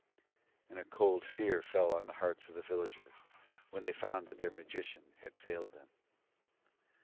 And a cold fear fell on the hearts of the villagers when they found that their magician had failed them.